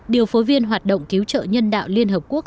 điều phối viên hoạt động cứu trợ nhân đạo liên hợp quốc